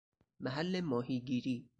محل ماهیگیری